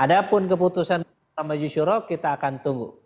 adapun keputusan musyawarah majiswara kita akan tunggu